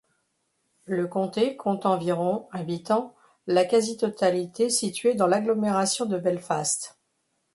Le Comté compte environ habitants, la quasi-totalité situés dans l’agglomération de Belfast.